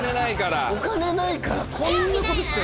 お金ないからこんなことしてる。